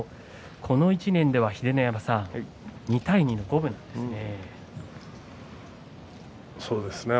この１年では秀ノ山さん２対２の五分なんですね。